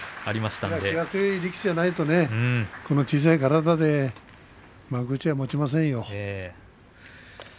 気が強い力士じゃないと小さい体で幕内はもちませんよ。